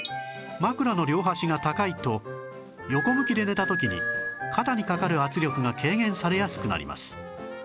枕の両端が高いと横向きで寝た時に肩にかかる圧力が軽減されやすくなります